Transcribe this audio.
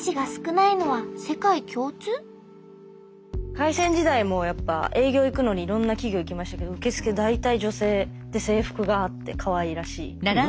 会社員時代もやっぱ営業行くのにいろんな企業行きましたけど受付大体女性。で制服があってかわいらしい。